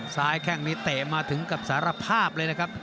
แข้งนี้เตะมาถึงกับสารภาพเลยนะครับ